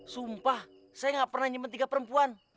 sumpah saya gak pernah nyempet tiga perempuan